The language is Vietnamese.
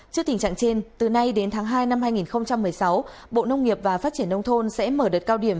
trước tình trạng trên từ nay đến tháng hai năm hai nghìn một mươi sáu bộ nông nghiệp và phát triển nông thôn sẽ mở đợt cao điểm